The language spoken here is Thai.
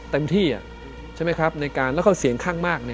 เต็มที่อ่ะใช่ไหมครับแล้วเขาเสียงคั่งมาก